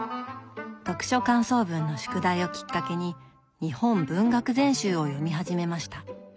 読書感想文の宿題をきっかけに「日本文学全集」を読み始めました。